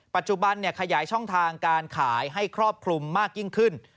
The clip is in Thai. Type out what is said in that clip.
ปัจจุบันขยายช่องทางการขายให้ครอบคลุมมากยิ่งขึ้น